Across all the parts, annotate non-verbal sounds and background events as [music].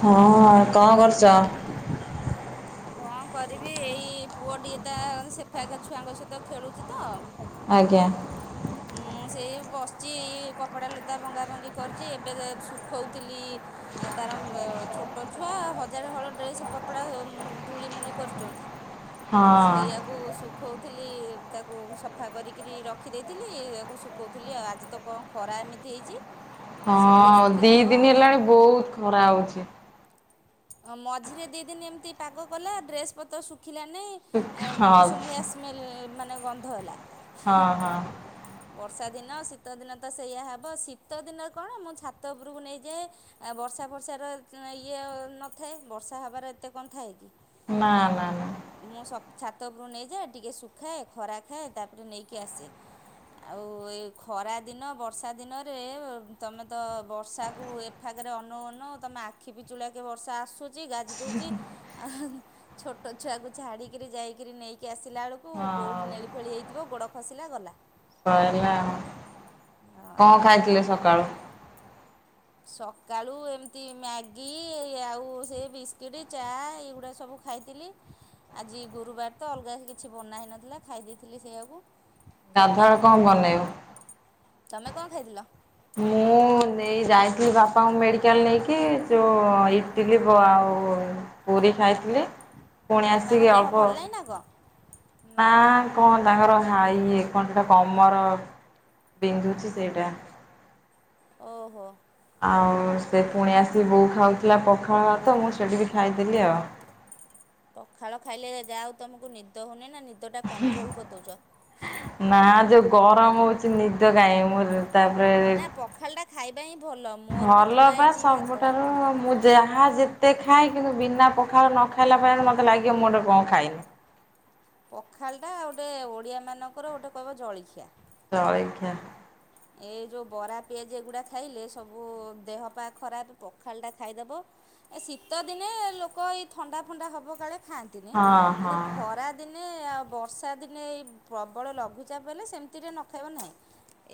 ହଁ କଣ କରୁଚ? କଣ କରିବି ଏଇ ପୁଅ ଟିକେ ତା ସେପାଖ ଛୁଆଙ୍କ ସହିତ ଖେଳୁଛି ତ। ଆଜ୍ଞା। ମୁଁ ସେଇ ବସିଚି ଇଏ କପଡ଼ା ଲୁଗା ଭଙ୍ଗା ଭଙ୍ଗି କରୁଚି ଏବେ ଶୁଖଉଥିଲି। ତାର ଛୋଟ ଛୁଆ ହଜାରେ ହଳ ଡ୍ରେସ୍ କପଡ଼ା ଧୂଳିମୂଳି କରୁଚନ୍ତି। [unintelligible] ସେଇଆକୁ ଶୁଖୋଉଥିଲି ତାକୁ ସଫା କରିକରି ରଖି ଦେଇ ଥିଲି ୟାକୁ ଶୁଖୋଉଥିଲି ଆଉ ଆଜି ତ କଣ ଖରା ଏମିତି ହେଇଚି। ହଁ ଦି ଦିନି ହେଲାଣି ବୋହୁତ୍ ଖରା ହୋଉଚି। ହଁ ମଝିରେ ଦିଇ ଦିନି ଏମିତି ପାଗ କଲା ଡ୍ରେସ୍ ପତ୍ର ଶୁଖିଲାନେଇଁ ହଁ ଆଉ ହଁ ମୌସୁମୀ ଭଳିଆ ଆସିଲା। ସ୍ମେଲ୍ ମାନେ ଗନ୍ଧ ହେଲା। ହଁ ହଁ। ବର୍ଷା ଦିନ ଶୀତ ଦିନ ତ ସେଇୟା ହବ ଶୀତ ଦିନ କଣ ମୁଁ ଛାତ ଉପୁରୁକୁ ନେଇଯାଏ। ଆଉ ବର୍ଷା ଫର୍ଷାର ଇଏ ନଥାଏ ବର୍ଷା ହେବାର ଏତେ କଣ ଥାଏ କି? ନା ନା ନା। ମୁଁ ସବ୍ ଛାତ ଓପରୁକୁ ନେଇଯାଏ ଟିକେ ଶୁଖାଏ ଖରା ଖାଏ ତାପରେ ନେଇକି ଆସେ। ଆଉ ଏଇ ଖରା ଦିନ ବର୍ଷା ଦିନରେ ତମେ ତ ବର୍ଷାକୁ ସଫା କରି ଅନୋଉ ଅନୋଉ ତମ ଆଖି ପିଚୁଳାକେ ବର୍ଷା ଆସୁଚି ଗାଜି ଦୋଉଚି। ଆଉ ଛୋଟ ଛୁଆକୁ ଛାଡ଼ିକିରି ଯାଇକିରି ନେଇକି ଆସିଲା ବେଳକୁ କେଉଁଠି ହଁ ନେଇକି ନେଳି ଫେଳି ହେଇଥିବ ଗୋଡ଼ ଖସିଲା ଗଲା। କଣ କରିବା ଆଉ। ହଁ କଣ ଖାଇଥିଲେ ସକାଳୁ? ସକାଳୁ ଏମିତି ମ୍ୟାଗି ଆଉ ସେଇ ବିସ୍କିଟ୍ ଚା ଏଇଗୁଡ଼ା ସବୁ ଖାଇଥିଲି। ଆଜି ଗୁରୁବାର ତ ଅଲଗା କିଛି ବନା ହୋଇ ନଥିଲା ଖାଇ ଦେଇଥିଲି ସେଇୟାକୁ। ତମେ? ଗାଧୁଆବେଳେ କଣ ବନେଇବ? ତମେ କଣ ଖାଇଥିଲ? ମୁଁ ନେଇ ଯାଇଥିଲି ବାପାଙ୍କୁ ମେଡ଼ିକାଲ୍ ନେଇକି ଯୋଉ ଇଟିଲି ବ ଆଉ ପୁରୀ ଖାଇଥିଲି। ଫୁଣି ବାପାଙ୍କ ଆସିକି ଦେହ ଅଳ୍ପ ଭଲ ନାହିଁ ନା କଣ? ମାଆ କଣ ତାଙ୍କର ହାଇ ଏଇ କଣ ତ କମର ବିନ୍ଧୁଚି ସେଇଟା। ଓଃ ହୋ। ଆଉ ସେ ଫୁଣି ଆସିବେ ବୋଉ ଖାଉଥିଲା ପଖାଳ ତ ମୁଁ ସେଇଠି ବି ଖାଇଦେଲି ଆଉ। ପଖାଳ ଖାଇଲେ ଯାହା ହଉ ତମୁକୁ ନିଦ ହୋଉନି ନା ନିଦଟା କଣ୍ଟ୍ରୋଲ୍ କରିଦୋଉଚ। ନା ଯୋଉ ଗରମ ହୋଉଚି ନିଦ କାଇଁ ମୁଁ ତାପରେ ନା ପଖାଳଟା ଖାଇବା ହିଁ ଭଲ। ମୋର ବି ଭଲ ଥୁଆ ବା ହେଇଚି ଭାତ। ସବୁଠାରୁ ମୁଁ ଯାହା ଯେତେ ଖାଏ କିନ୍ତୁ ବିନା ପଖାଳ ନ ଖାଇଲା କେଇଆଣି ମୋତେ ଲାଗିବ ମୁଁ ତ କଣ ଖାଇନି। ପଖାଳ ଟା ଗୋଟେ ଓଡ଼ିଆମାନଙ୍କର ଗୋଟେ କହିବ ଜଳିଖିଆ। ଜଳିଖିଆ ଏଇ ଯୋଉ ବରା ପିଆଜି ଏଗୁଡ଼ା ଖାଇଲେ ସବୁ ଦେହ ପା ଖରାପ୍ ପଖାଳ ଟା ଖାଇଦବ ଏ ଶୀତ ଦିନେ ଲୋକ ଏଇ ଥଣ୍ଡା ଫଣ୍ଡା ହବ କାଳେ ଖାଆନ୍ତିନି ହଁ କିନ୍ତୁ ହଁ। ଖରା ଦିନେ ଆଉ ବର୍ଷା ଦିନେ ଏ ପ୍ରବଳ ଲଘୁଚାପ ହେଲେ ସେମିତିରେ ନ ଖାଇବ ନାହିଁ।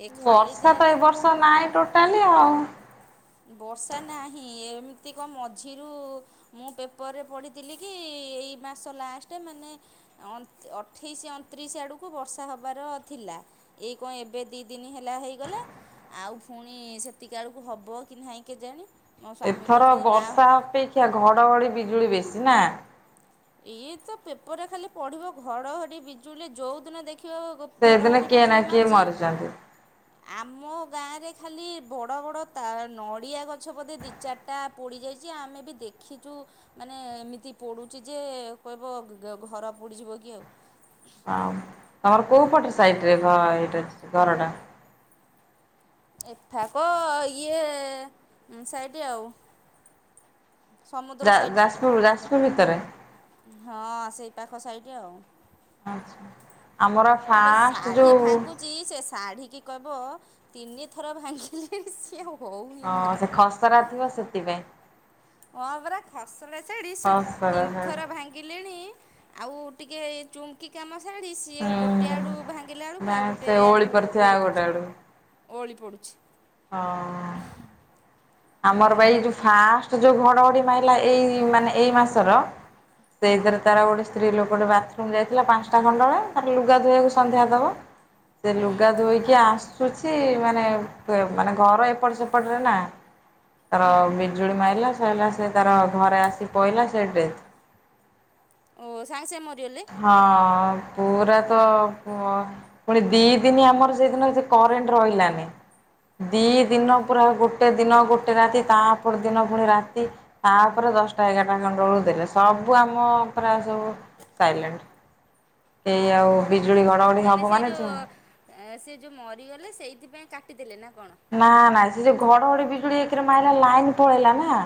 ଏ ଖାଲି ବର୍ଷା ତ ଦିନରେ ଏ ବର୍ଷ ନାହିଁ ଟୋଟାଲି ଆଉ। ବର୍ଷା ନାହିଁ ଏମିତି ଙ୍କ ମଝିରୁ ମୁଁ ପେପରରେ ପଢ଼ିଥିଲି କି ଏଇ ମାସ ଲାଷ୍ଟେ ମାନେ ଅନ୍ତ ଅଠେଇଶି ଅନତିରିଶି ଆଡୁକୁ ବର୍ଷା ହବାର ଥିଲା। ଏଇ ଙ୍କ ଏବେ ଦି ଦିନି ହେଲା ହେଇଗଲା ଆଉ ଫୁଣି ସେତିକା ଆଳୁକୁ ହବ। କି ନାହିଁ କେଜାଣି? ଏଥର ନା ବର୍ଷା ଅପେକ୍ଷା ଘଡ଼ଘଡ଼ି ବିଜୁଳି ବେଶୀ ନା ଇଏ ତ ପେପରରେ ଖାଲି ପଢ଼ିବ ଘଡ଼ଘଡ଼ି ବିଜୁଳିରେ ଜଉ ଦିନ ଦେଖିବ ସେଦିନ ଘଡ଼ଘଡ଼ି କିଏ ନା ବିଜୁଳି କିଏ ମାରଚି ମରିଛନ୍ତି ଆମ ଗାଁରେ ଖାଲି ବଡ଼ ବଡ଼ ତାଳ ନଡ଼ିଆ ଗଛ ବୋଧେ ଚାରିଟା ପୋଡିଯାଇଚି ଆମେ ବି ଦେଖିଚୁ ମାନେ ଏମିତି ପୁ ଚି ଯେ କହିବ ଗି ଗ ଘର ପୋଡିଯିବ କି ଆଉ। ଆଉ ତମର କୋଉ ପଟେ ସାଇଟ୍ ରେ ଘ ଏଇଟା ଅଛି ଘରଟା? ଏଠାକ ଇଏ ଉଁ ସାଇଟ୍ ଆଉ। ସମୁଦ୍ର ଯା ସାଇଟ୍ ଯାଜପୁର ଯାଜପୁର ଭିତରେ ହଁ ସେଇ ପାଖ ସାଇଟ ଆଉ। ଆଛା ଆମର ଫାଷ୍ଟ ଯୋଉ ଚି ସେ ଶାଢ଼ୀ କି କହିବ ତିନି ଥର ଭାଙ୍ଗିଲି ସିଏ ହଉ ହିଁ ହଁ ନାହିଁ ସେ ଖସରା ଥିବ ସେଥିପାଇଁ। ହଁ ପରା ଖସଡ଼ା ଶାଢ଼ି ସିଏ ଖସରା ତିନି ଶାଢ଼ୀ। ଥର ଭାଙ୍ଗିଲିଣି ଆଉ ଟିକେ ଚୁମକି କାମ ସାଢ଼ିଚି ଇଏ ହୁଁ ଗୋଟେ ଆଡୁ ଭାଙ୍ଗିଲା ହୁଁ ବେଳକୁ ନା ଆଉ ଗୋଟେ ସେ ଓଳି ଆଡୁ ପଡ଼ିଥିବା ଓଳି ଆଉ ଗୋଟେ ପଡୁଚି ଆଡୁ ଓଳି ପଡୁଚି। ହଁ। ଏୟା ଆମର ପା ଆଉ ଏଇ ଯୋଉ ଫାଷ୍ଟ ଜଉ ଘଡ଼ଘଡ଼ି ମାଇଲା ଏଇ ମାନେ ଏଇ ମାସର ହଁ ସେଇଥିରେ ତାର ଗୋଟେ ସ୍ତ୍ରୀ ଲୋକ ଟେ ବାଥରୁମ୍ ଯାଇଥିଲା ପାଞ୍ଚସା ଟା ମଣ୍ଡଳ ତା ଲୁଗା ଫୁଗା କୁ ହୁଁ ସନ୍ଧ୍ୟା ଦବ। ଯେ ହୁଁ ଲୁଗା ଧୋଇକି ଆସୁଛି ମାନେ ବେ ମାନେ ଘର ଏପଟ ସେପଟରେ ନା ତାର ହୁଁ ବିଜୁଳି ମାଇଲା ସଇଲା ସେ ତାର ଘରେ ଆସି ପଇଲା ସେ ଡେଡ ଓ ସାଙ୍ଗେ ସାଙ୍ଗେ ମରିଗଲେ ହଁ ପୂରା ତ ପୂଅ ଫୁଣି ଦି ଦିନି ଆମର ସେଇ ଦିନ ବି ସେ କରେଣ୍ଟ ରହିଲାନି ଦି ଏ ବାବା ଦିନ ପୁରା ଗୋଟେ ଦିନ ଗୋଟେ ରାତି ତା ପରଦିନ ଫୁଣି ରାତି ତା ପରେ ଦସ ଟା ଏଗାର ଟା ମଣ୍ଡଳ କୁ ଦେଲେ ସବୁ ଆମ ପୁରା ସବୁ ସାଇଲେଣ୍ଟ। ଏ ଆଉ ବିଜୁଳି ଘଡ଼ଘଡ଼ି ସବୁ ମାନେ ଜଉ ଏ ସେ ଯୋଉ ମରିଗଲେ ସେଇଥିପାଇଁ କାଟିଦେଲେ ନା କଣ? ନା ନା ସେ ଜଉ ଘଡ଼ଘଡ଼ି ବିଜୁଳୀ ଏକେରେ ମାଇଲା ଲାଇନ ପଳେଇଲାନା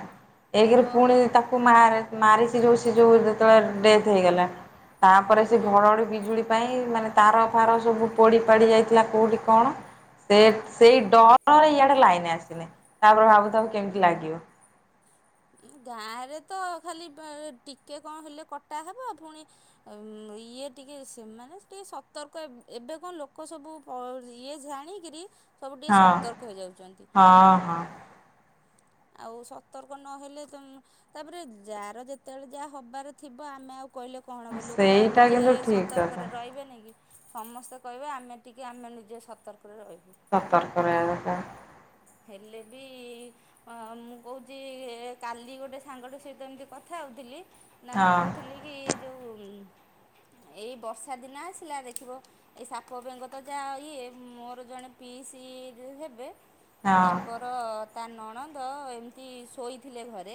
ଏକେରେ ପୁଣି ଓହୋ କୁ ମାରେ ମାରିସି ଯୋଉ ସେ ଯୋଉ ଯେତବେଳେ ଡେଥ୍ ହେଇଗଲା ତାପରେ ସେ ହୁଁ ଭଣ ବିଜୁଳି ପାଇଁ ମାନେ ତାର ଫାର ସବୁ ପୋଡ଼ି ପାଡ଼ି ଯାଇଥିଲା କୋଉଠି କଣ ସେ ସେଇ ଡହଳରେ ୟାଡେ ଲାଇନ ଆସିନି ତାପରେ ମୁଁ କେମତି ଭାବୁଥା କେମିତି ଲାଗିବ? ଗାଁ ରେ ତ ଖାଲି ବା ଟିକେ କଣ ହେଲେ କଟା ହେବ ଫୁନି ଉଁ ଇଏ ଟିକେ ସେମାନେ ଟିକେ ସତର୍କ ଏବେଙ୍କ ଲୋକ ସବୁ ଆଉରି ଇଏ ଯାଣିକିରି ସବୁଟିକେ ହଁ ସତର୍କ ହେଇଯାଉଛ ନ୍ତି। ହଁ ହଁ ଆଉ ସତର୍କ ନ ହେଲେ ତମେ ତାପରେ ଯାର ଜେତବେଳେ ଯାହ ଥିବ ଆମେ ଆଉ କରିପରିବୁନୁ। କଣ ହବ ଲୋକ ଆଉ ସେଇଟା ନିଜେ କିନ୍ତୁ ଠିକ ସତର୍କ କଥା। ରେ ରହିବେନିକି ସମସ୍ତେ କହିବେ ଆମେ ଟିକେ ଆମେ ନିଜେ ସତର୍କ ରେ ରହିବୁ। ସତର୍କ ରହିବା ଦରକାର୍। ହେଲେବି ହଁ ମୁଁ କହୁଚି କାଲି ଗୋଟେ ସାଙ୍ଗଟେ ସହିତ ଏମିତି କଥା ହଉଥିଲି ନା ମୁଁ କହୁଥିଲି କି ଯୋଉ ଏଇ ବର୍ଷା ଦିନ ଆସିଲା ଦେଖିବ ଏଇ ସାପ ବେଙ୍ଗ ତ ଯାହା ଇଏ, ମୋର ଜଣେ ପିସି ହେବେ ହଁ ତାଙ୍କର ତା ନଣନ୍ଦ ଏମିତି ଶୋଇଥିଲେ ଘରେ।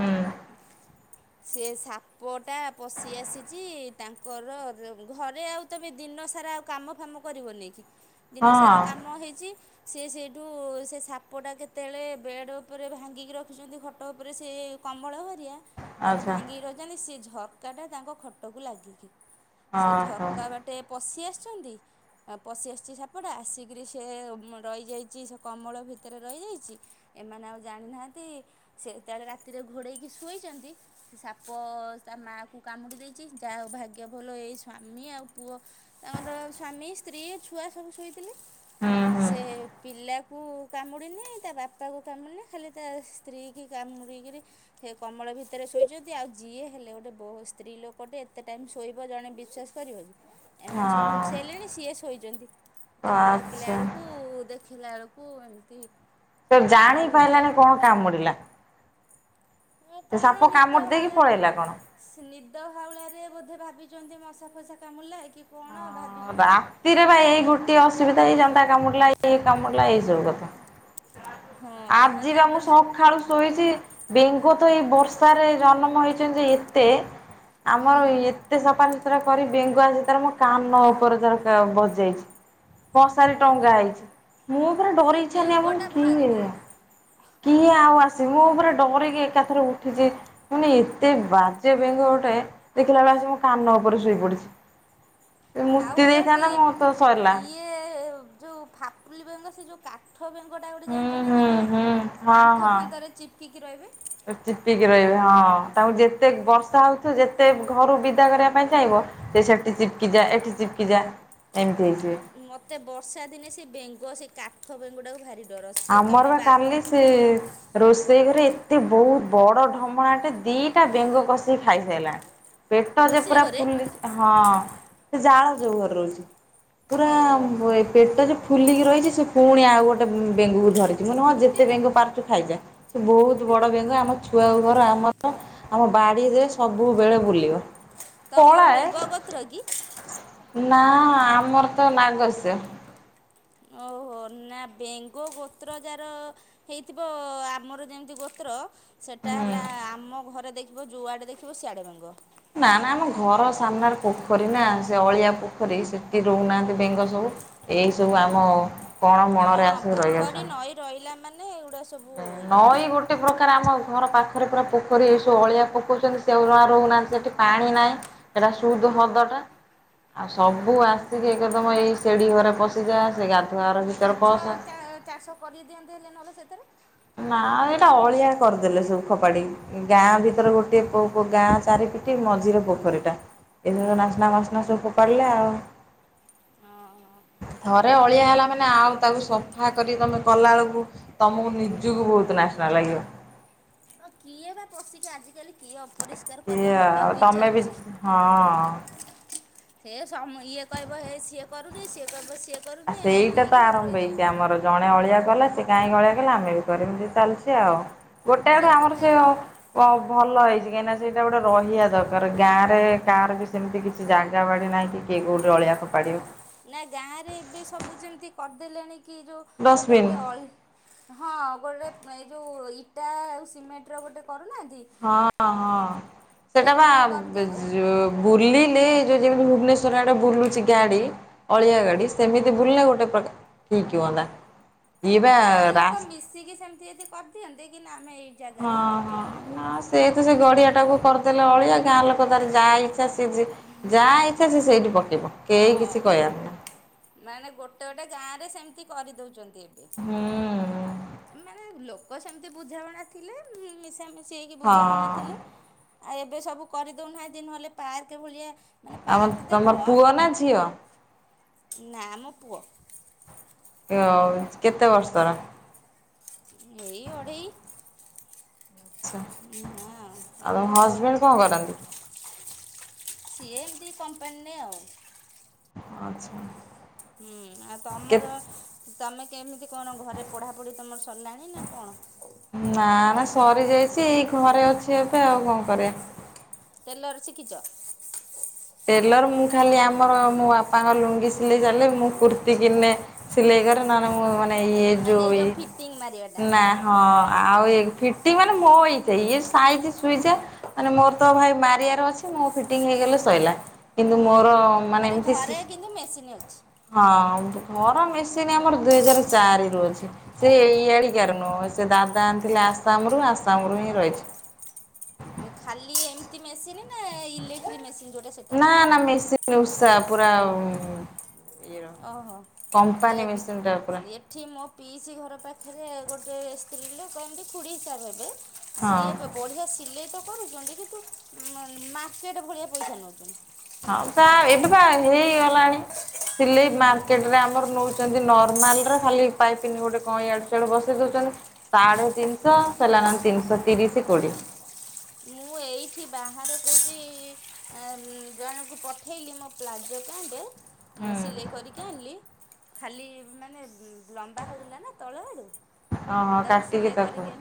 ହଁ ହୁଁ [inaudible] ସେ ସାପଟା ପଶି ଆସିଛି ତାଙ୍କର ର ଘରେ ଆଉ ତମେ ଦିନ ସାରା ଆଉ କାମ ଫାମ କରିବନି କି। ହଁ ଦିନସାରା କାମ ହେଇଚି ସେ ସେଇଠୁ ସେ ସାପଟା କେତେବେଳେ ବେଡ଼୍ ଉପରେ ଭାଙ୍ଗିକି ରଖିଛନ୍ତି ଖଟ ଉପରେ ସେ କମଳ ହେରିଆ। ତାକୁ ଆଚ୍ଛା ଭାଙ୍ଗିକି ରଖିଛନ୍ତି। ସେ ଝରକା ଟା ତାଙ୍କ ଖଟକୁ ଲାଗିକି। ହଁ ସେ ହଁ ଝରକା ବାଟେ ଟେ ପଶି ଆସିଛନ୍ତି ଆଉ ପଶି ଆସିଛି ସାପଟା। ଆସିକିରି ସେ ରହିଯାଇଚି ସେ କମଳ ଭିତରେ ରହିଯାଇଚି। ଏମାନେ ଆଉ ଜାଣିନାହାଁନ୍ତି ସେ ଯେତେବେଳେ ରାତିରେ ଘୋଡ଼େଇକି ଶୋଇଛନ୍ତି ସାପ ତା ମାଆକୁ କାମୁଡି ଦେଇଚି, ଯାହା ହଉ ଭାଗ୍ୟ ଭଲ ଏଇ ସ୍ଵାମୀ ଆଉ ପୁଅ ତାଙ୍କର ସ୍ବାମୀ ସ୍ତ୍ରୀ ଛୁଆ ସବୁ ଶୋଇଥି ଥିଲେ। ହୁଁ ହୁଁ। ସେ ପିଲାକୁ କାମୁଡିନି ତା ବା ବାପା କୁ କାମୁଡିନି ଖାଲି ତା ସ୍ତ୍ରୀ କି କାମୁଡ଼ିକିରି ସେ କମଳ ଭିତରେ ଶୋଇଛନ୍ତି। ଆଉ ଯିଏ ହେଲେ ଗୋଟେ ବହୁ ସ୍ତ୍ରୀ ଲୋକ ଟେ ଏତେ ଟାଇମ ଶୋଇବ ଜଣେ ବିଶ୍ଵାସ କରିବ କି। ଏମାନେ ସବୁ ହଁ ଉଠି ସାଇଲେଣି, ସିଏ ଶୋଇଛନ୍ତି। ତାଙ୍କୁ ଡାକିଲା ଆଚ୍ଛା ବେଳକୁ ଦେଖି ଦେଖିଲା ବେଳକୁ ଏମିତି ସେ ଜାଣି ଇଏ ହେଇଛି ଆଉ। ପାଇଲାନି କଣ କାମୁଡ଼ିଲା। ସେ ସାପ କାମୁଡି ଦେଇକି ପଳେଇଲା କଣ? ସେ ନିଦ ହାଉଳାରେ ବୋଧେ ଭାବିଛନ୍ତି ମଶା ଫସା କାମୁଡିଲା କି କଣ ହଁ ଭାବିଛନ୍ତି। ରାତିରେ ବା ଏଇ ଗୋଟିଏ ଅସୁବିଧା ଏଇ ଜନ୍ଦା କାମୁଡିଲା ଏଇ ଇଏ କାମୁଡିଲା ଏଇ ସବୁ କଥା। ହଁ ଆଜି ପା ମୁଁ ତାପରେ ସଖାଳୁ ଶୋଇଚି, ବେଙ୍ଗ ତ ଏଇ ବର୍ଷାରେ ଜନ୍ମ ହେଇଛନ୍ତି ଯେ ଏତେ। ଆମର ଏତେ ସଫାସୁତୁରା କରି ବେଙ୍ଗ ଆସି ତାର ମୋ କାନ ଉପରେ ତାର ବ ବସି ଯାଇଚି। ମସାରି ମ ଟଙ୍ଗା ହେଇଚି। ମୁଁ ପୁରା ମୋତେ ଡରିକି ଛାନିଆ ମୁଁ ବେଙ୍ଗଟା କହିନି ଭାରି କିଏ। ଡର। କିଏ ଆଉ ଆସି ମୁଁ ପୁରା ଡରିକି ଏକାଥରେ ଉଠିଚି। ମାନେ ଏତେ ବାଜ୍ୟ ବେଙ୍ଗ ଗୋଟେ, ଦେଖିଲା ବେଳକୁ ଆସି ମୋ କାନ ଉପରେ ଶୋଇ ପଡିଚି। ଆଉ ଗୋଟେ ମୁଁ ତ ସରିଲା ଗୋଟେ ଇଏ ଯୋଉ ଫାପୁଲି ବେଙ୍ଗ ସେ ଯୋଉ କା କାଠ ବେଙ୍ଗଟା ଗୋଟେ ହୁଁ ଜାଣିଚ ନା ହୁଁ ସେ ଯୋଉ ହୁଁ କାନ୍ଥ ଫାନ୍ଥରେ ଚିପ୍କିକି ରହିବେ। ଚିପ୍କିକି ରହିବେ ହଁ। ତାଙ୍କୁ ଯେତେ ବର୍ଷା ହଉଥିବ ଯେତେ ଘରୁ ବିଦା କରିବା ପାଇଁ ଚାହିଁବ ଯେ ସେଠି ଚିପ୍କି ଯା ଏଠି ଚିପ୍କି ଯା ଏମିତି ହେଇଯିବେ। ମତେ ବର୍ଷା ଦିନେ ସେ ବେଙ୍ଗ ସେ କାଠ ବେଙ୍ଗଟାକୁ ଭାରି ଡର ସିଏ ଆମର ତମେ ବା କାଲି ସେ ରୋଷେଇ ଘରେ ଏତେ ବହୁତ ବଡ ଢମଣାଟେ ଦିଟା ବେଙ୍ଗ କଷିକି ଖାଇସାରିଲାଣି। ପେଟ ଯେ ରୋଷେଇ ପୁରା ଘରେ ଫୁଲି ହଁ ସେ ଜାଳ ଯୋଉ ଘରେ ରହୁଚି। ପୁରା ଓହୋ ଏ ପେଟ ଯେ ଫୁଲିକି ରହିଛି ସେ ପୁଣି ଆଉ ଗୋଟେ ବେଙ୍ଗକୁ ଧରିଚି। ମୁଁ କହିଲି ହଁ ଯେତେ ବେଙ୍ଗ ପାରୁଚୁ ଖାଇଯା। ସେ ବହୁତ ବଡ଼ ବେଙ୍ଗ ଆମ ଛୁଆ ବୋଉ ଘର ଆମର ଆମ ବାଡ଼ିରେ ସବୁବେଳେ ବୁଲିବ। ତମର ପଳାଏ ବେଙ୍ଗ ଗୋତ୍ର କି? ନା ଆମର ତ ନାଗସ୍ୟ। ଓହୋ ନା ବେଙ୍ଗ ଗୋତ୍ର ଜାର ହେଇଥିବ ଆମର ଯେମିତି ଗୋତ୍ର ସେଇଟା ହୁଁ। ହେଲା ଆମ ଘରେ ଦେଖିବ ଯୁଆଡ଼େ ଦେଖିବ ସିଆଡ଼େ ବେଙ୍ଗ। ନା ନା ଆମ ଘର ସାମ୍ନାରେ ପୋଖରୀ ନା ସେ ଅଳିଆ ପୋଖରୀ ସେଠି ରହୁନାହାନ୍ତି ବେଙ୍ଗ ସବୁ। ଏଇସବୁ ଆମ କଣ ହଁ ମଣରେ ଆସିକି ରହି ପୋଖରୀ ଯାଉଛନ୍ତି। ନଈ ରହିଲା ମାନେ ଏଗୁଡା ସବୁ ଇଏ। ନଈ ଗୋ ଗୋଟେ ପ୍ରକାର ଆମ ଘର ପାଖରେ ପୁରା ପୋଖରୀ ଏସବୁ ଅଳିଆ ପକଉଛନ୍ତି ସେ ସବୁ ରହୁନାହାଁନ୍ତି ସେଠି ପାଣି ନାହିଁ। ସେଇଟା ସୁଦ୍ ହ୍ରଦଟା। ଆଉ ସବୁ ଆସିକି ଏକଦମ ଏଇ ସିଢି ଘରେ ପଶିଯା ସେ ଗାଧୁଆଘର ବି ମାଛ ଚା ଚାଷ କରିଦିଅନ୍ତି ହେଲେ ନହେଲେ ସେଥିରେ ନା ଏଇଟା ଅଳିଆ କରିଦେଲେ ସବୁ ଫୋପାଡିକି ଗାଁ ଭିତରେ ଗୋଟିଏ ପୋ ଗାଁ ଚାରିପିଟି ମଝିରେ ପୋଖରି ଟା। ଏସବୁ ନାସ୍ନା ବାସ୍ନା ସବୁୁ ଫୋପାଡିଲା ଆଉ ହଁ ହଁ। ଥରେ ଅଳିଆ ହେଲା ମାନେ ଆଉ ତାକୁ ସଫା କରି ତମେ କଲାବେଳକୁ ତମକୁ ନି ନିଜକୁ ବହୁତ ନାଶନା ଲାଗିବ। ହଁ କିଏ ବା ପଶିକି ଆଜିକାଲି କିଏ ଅପରିଷ୍କାର କରି ଇଏ ଆଉ ହେବାକୁ ତମେ ବି ଇଛାହଉଛି। ହଁ। ସେ ସମ ଇଏ କହିବ ହେ ସିଏ କରୁନି ସିଏ କହିବ ସିଏ ଆ କରୁନି ଏମିତି ସେଇଟା ତ ହେଇକି ସବୁ ଆରମ୍ଭ ରହିଯିବେ। ହେଇଛି ଆମର ଜଣେ ଅଳିଆ କଲା ସେ କାହିଁକି ଅଳିଆ କଲେ ଆମେ ବି କରିବୁ ଚାଲିଛି ଆଉ। ଗୋଟେ ଆଡୁ ସିଏ ଆମର ପକେଇଲେ ସେଉ ଓ ଭଲ ହେଇଛି କାହିଁକିନା ସେଇଟା ଗୋଟେ ରହିବା ଦରକାର ଗାଁ ରେ କାଁହାର ବି ସେମିତି କିଛି କିଛି ଜାଗା ବାଡି ନାଇଁ କିଏ କୋଉଠି ଅଳିଆ ଫୋପାଡିବ। ନା ଗାଁରେ ଏବେ ସବୁ ଯେମିତି କରିଦେଲେଣି କି ଯୋଉ ଗୋଟେ ଡଷ୍ଟବିନ୍ ଗୋଟେ ଅଳି ହଁ ଗୋଟେ ଏ ଯୋଉ ଇଟା ଆଉ ସିମେଣ୍ଟର ଗୋଟେ କରୁନାହନ୍ତି ହଁ ହଁ ସେଇଟା ବା କରିଦିଅନ୍ତେ ବେଜୁ ବୁଲିଲେ ଯୋଉ ଯେମିତି ଭୁବନେଶ୍ଵର ଆଡେ ବୁଲୁଛି ଗାଡି ଅଳିଆ ହୁଁ। ଗାଡି ସେମିତି ବୁଲିଲା ଗୋଟେ ପ୍ରକାର ଠିକ୍ ହୁଅନ୍ତା ଇଏ ବା ରାସ୍ ସିଏ କି ସେମିତି ଯଦି କରିଦିଅନ୍ତେ କି ନା ଆମେ ଏ ହଁ-ହଁ ନା ସେଇ ତ ସେ ଗଡିଆ ଟାକୁ କରିଦେଲେ ଅଳିଆ ଗାଁ ଲୋକ ତାର ଯାହା ଇଚ୍ଛା ଯାହା ଇଚ୍ଛା ସେ ସେଇଠି ପକେଇବ କେହି କିଛି କହିବାରନା ନାଇଁ ନାଇଁ ଗୋଟେ ଗୋଟେ ଗାଁରେ ସେମିତି କରିଦେଉଛନ୍ତି ଏବେ। ହୁଁ। ମାନେ ଲୋକ ସେମିତି ବୁଝାମଣା ଥିଲେ ମିଶା ମିଶି ହେଇକି ହଁ। ବୁଝାମଣା ଥିଲେ ଆଉ ଏବେ ସବୁ କରିଦେଉନାହାନ୍ତି ନହେଲେ ପାର୍କ ଭଳିଆ ମାନେ ଆମର ପାର୍କ ତ ତମର ନୁହଁ ପୁଅ ନା ଝିଅ? ନା ମୋ ପୁଅ। ଉଅ କେତେ ବର୍ଷର? ଏଇ ଅଢେଇ ଆଚ୍ଛା ଉ ହଁା ଆଉ ତମ ଏତ ହଜବେଣ୍ଡ କଣ କରନ୍ତି? ସିଏ ଏମିତି କମ୍ପାନୀରେ ଆଉ। ଆଚ୍ଛା। ହୁଁ ଆଉ କେ ତମର? ତମେ କେମିତି କଣ ଘରେ ପଢ଼ାପଢ଼ି ତମର ସରିଲାଣି ନା କଣ? ନା ନା ସରିଯାଇଛି ଏଇ ଘରେ ଅଛି ଏବେ ଆଉ କଣ କରିବା। ଟେଲର ଶିଖିଛ? ଟେଲର ମୁଁ ଖାଲି ଆମର ମୋ ବାପାଙ୍କ ଲୁଙ୍ଗି ସିଲେଇ ଚାଲେ ମୁଁ କୁର୍ତ୍ତୀ କିନେ ସିଲେଇକରେ ନହେଲେ ମୁଁ ମାନେ ଇ ମାନେ ଯୋଉ ଏଇ ଇ ଯେଉଁ ଫିଟିଙ୍ଗ ମାରିବାଟା। ନା ହଁ ଆଉ ଏ ଫିଟି ମାନେ ମୋ ହେଇଥାଏ ଇଏ ସାଇଜି ସୁଇଯା ମାନେ ମୋର ତ ଭାଇ ମାରିଆର ଅଛି ମୁଁ ଫିଟିଙ୍ଗି ହେଇଗଲେ ସଇଲା। କିନ୍ତୁ ମୋର ମାନେ ଏମିତି ସି ଘରେ କିନ୍ତୁ ମେସିନ୍ ଅଛି। ହଁ ଘର ମେସିନି ଆମର ଦୁଇ ହଜାର ଚାରି ରୁ ଅଛି। ସେ ଇଆଡ଼ିକାର ନୁହଁ ସେ ଦାଦା ଆଣିଥିଲେ ଆସାମରୁ ଆସାମରୁ ହିଁ ରହିଛି। ଖାଲି ଏମିତି ମେସିନ୍ ନା ଇଲେକ୍ଟ୍ରିକ ମେସିନ୍ ଯୋଉଟା? ସେଇଟା ନା ନା ମେସିନ୍ ଉସା ପୁରା ଇଏର ଓହୋ। କମ୍ପାନୀ ମେସିନ୍ଟା ପୁରା। ଏଠି ମୋ ପିଇସି ଘର ପାଖରେ ଗୋଟଏ ସ୍ତ୍ରୀ ଲୋକ ଇନ୍ତି ଖୁଡ଼ି ହିସାବ ହେବେ। ହଁ ସିଏ ବା ବଢ଼ିଆ ସିଲେଇ ତ କରୁଛନ୍ତି କିନ୍ତୁ ମାର୍କେଟ ଭଳିଆ ପଇସା ନଉଛନ୍ତି। ହଁ ଯା ଏବେ ବା ହେଇଗଲାଣି ସିଲେଇ ମାର୍କେଟ ରେ ଆମର ନଉଛି। ନର୍ମାଲ ଖାଲି ପାଇପିନି ଗୋଟେ ଇଆଡୁଆଡୁ ବସେଇ ଦଉଛନ୍ତି। ସାଢ଼େ ତିନିଶହ ସେଲାନା ତିନିଶହ ତିରିଶ କୋଡ଼ିଏ। ମୁଁ ଏଇଠି ବାହାରକୁ ଜଣଙ୍କୁ ପଠେଇଲି ମୋ ପ୍ଲାଜୋ ପ୍ୟାଣ୍ଟ ହୁଁ ସିଲେଇ କରି କି ଆଣିଲି ଖାଲି ମାନେ ଲମ୍ବା ହେଉଥିଲା ନା ତଳ ଆଡୁ। ଓହୋ ମୁଁ ତାକୁ କାଟିକି ସିଲେଇ ତାକୁ କରିକି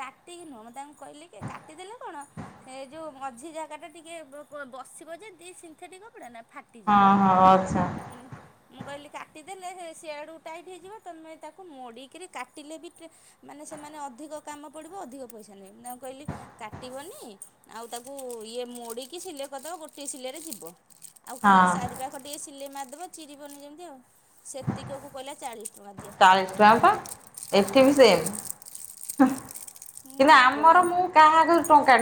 କାଟିକି ନୁହଁ ମୁଁ ତାଙ୍କୁ କହିଲି କି କାଟିଦେଲେ କଣ ସେ ଯୋଉ ମଝି ଜାଗା ଟା ଟିକେ ବସିବ ଯେମିତି ସିନ୍ଥେଟିକ୍ କପଡା ନା ଫାଟି ହଁ ହଁ ଆଚ୍ଛା ମୁଁ କହିଲି କାଟିଦେଲେ ସିଆଡ଼କୁ ଟାଇଟ୍ ହେଇଯିବ ତମେ ତାକୁ ମୋଡ଼ିକିରି କାଟିଲେ ବି ମାନେ ସେମାନେ ଅଧିକ କାମ ପଡିବ ଅଧିକ ପଇସା ନେବେ ତାଙ୍କୁ କହିଲି। କାଟିବନି ଆଉ ତାକୁ ଇଏ ମୋଡ଼ିକି ସିଲେ କରିଦେବ ଗୋଟିଏ ସିଲେରେ ଯିବ ଆଉ ଖଲି ହଁ ଚାରିପାଖ ଟିକେ ସିଲେଇ ମାରିଦେବ ଚିରିବନି ଯେମିତି ଆଉ ସେତିକିକୁ କହିଲା ଚାଳିଶ ଟଙ୍କା ଦିଅ ଚାଳିଶ ଟଙ୍କା ପା ଏଠି ବି ସେମ୍ ମୁଁ କିନ୍ତୁ ଆମର ଭଗବାନ ମୁଁ କାହାଘ ଟଙ୍କା